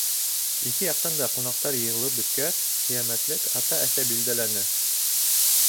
Ике яҡтан да ҡунаҡтар йыйылып бөткәс, ҡиәмәтлек ата-әсә билдәләнде.